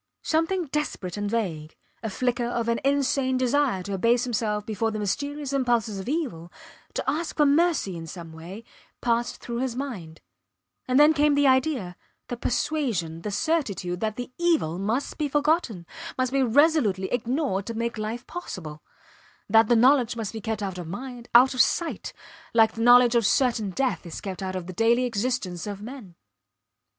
Something desperate and vague, a flicker of an insane desire to abase himself before the mysterious impulses of evil, to ask for mercy in some way, passed through his mind; and then came the idea, the persuasion, the certitude, that the evil must be forgotten must be resolutely ignored to make life possible; that the knowledge must be kept out of mind, out of sight, like the knowledge of certain death is kept out of the daily existence of men.